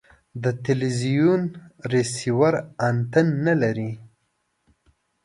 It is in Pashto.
د تلوزیون ریسیور انتن نلري